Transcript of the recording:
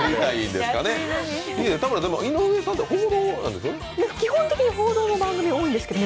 でも、井上さんって報道なんですよね？